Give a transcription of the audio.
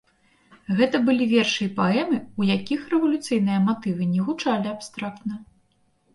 Гэта былі вершы і паэмы, у якіх рэвалюцыйныя матывы не гучалі абстрактна.